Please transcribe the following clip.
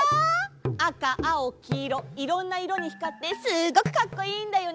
あかあおきいろいろんないろにひかってすっごくかっこいいんだよね！